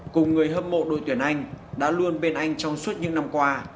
cùng người hâm mộ đội tuyển anh đã luôn bên anh trong suốt những năm qua